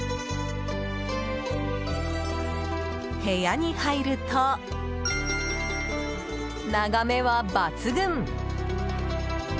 部屋に入ると、眺めは抜群！